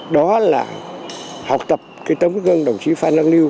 đó là học tập cái tấm gương đồng chí phan đăng lưu